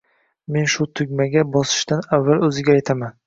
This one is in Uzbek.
Men shu tugmaga bosishdan avval o‘ziga aytaman